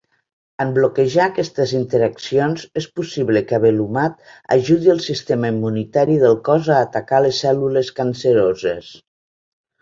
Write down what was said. En bloquejar aquestes interaccions, és possible que avelumab ajudi al sistema immunitari del cos a atacar les cèl·lules canceroses.